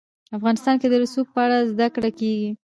افغانستان کې د رسوب په اړه زده کړه کېږي.